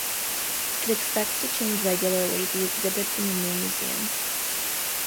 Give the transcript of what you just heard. It expects to change regularly the exhibits in the new museum.